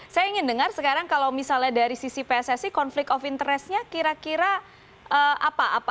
saya ingin dengar sekarang kalau misalnya dari sisi pssi konflik of interestnya kira kira apa